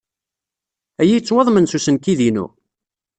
Aya yettwaḍmen s usenkid-inu?